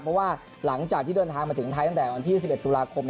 เพราะว่าหลังจากที่เดินทางมาถึงไทยตั้งแต่วันที่๑๑ตุลาคม